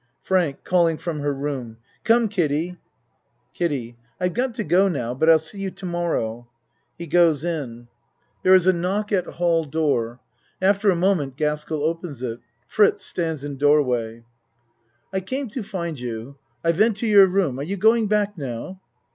FRANK (Calling from her room.) Come, Kid die. KIDDIE I've got to go now, but I'll see you to morrow. (He goes in. There is a knock at hall 105 io6 A MAN'S WORLD door. After a moment Gaskell opens it. Fritz stands in door way.) FRITZ I came to find you. I went to your room. Are you going back now?